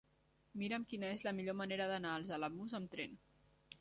Mira'm quina és la millor manera d'anar als Alamús amb tren.